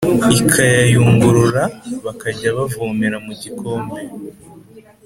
ikayayungurura, bakajya bavomera mu gikombe